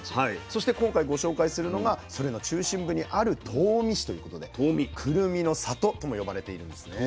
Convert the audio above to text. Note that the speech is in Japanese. そして今回ご紹介するのがそれの中心部にある東御市ということでくるみの里とも呼ばれているんですね。